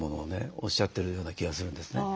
おっしゃってるような気がするんですね。